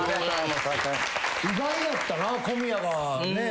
意外やったな小宮がね。